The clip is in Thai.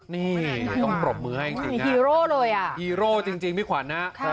นี่ต้องปรบมือให้จริงจริงอ่ะเฮโร่เลยอ่ะ